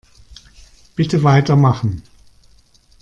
Bitte weitermachen.